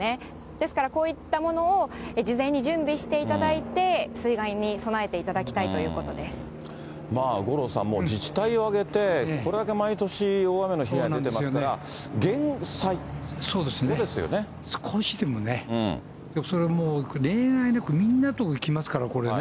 ですから、こういったものを事前に準備していただいて、水害に備五郎さん、もう自治体を挙げて、これだけ毎年、大雨の被害出てますから、少しでもね、それはもう、例外なくみんなの所に来ますから、これね。